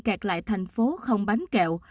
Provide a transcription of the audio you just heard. kẹt lại thành phố không bánh kẹo